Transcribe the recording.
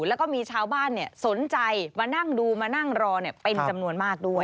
แล้วก็มีชาวบ้านสนใจมานั่งดูมานั่งรอเป็นจำนวนมากด้วย